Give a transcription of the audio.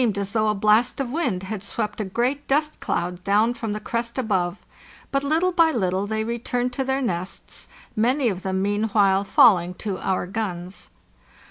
as though a blast of wind had swept a great dust cloud down from the crest above; but little by little they re turned to their nests, many of them meanwhile falling to our guns.